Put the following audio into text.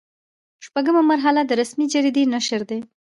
شپږمه مرحله د رسمي جریدې نشر دی.